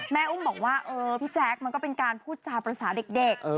อุ้มบอกว่าเออพี่แจ๊คมันก็เป็นการพูดจาภาษาเด็ก